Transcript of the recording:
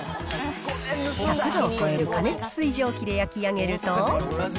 １００度を超える過熱水蒸気で焼き上げると。